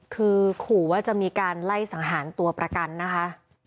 คือขู่ว่าจะมีการไล่สังหารตัวประกันนะคะ